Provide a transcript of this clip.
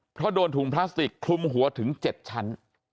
เพราะโดนถุงพลาสติกคลุมหัวถึง๗ชั้น